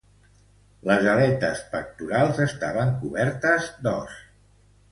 Les aletes pectorals estaven cobertes d'os.